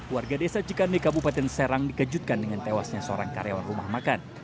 warga desa cikande kabupaten serang dikejutkan dengan tewasnya seorang karyawan rumah makan